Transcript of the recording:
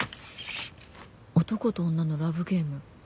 「男と女のラブゲーム」。